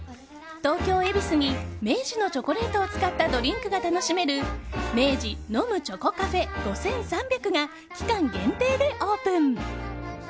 東京・恵比寿に明治のチョコレートを使ったドリンクが楽しめるｍｅｉｊｉのむチョコＣａｆｅ．５３００が期間限定でオープン！